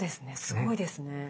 すごいですね。